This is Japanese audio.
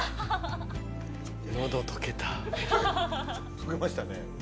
溶けましたね。